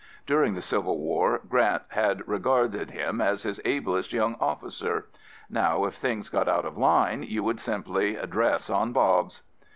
During the Civil War, Grant had regarded him as his ablest young officer. Now if things got out of line, you would simply "dress on Bobs."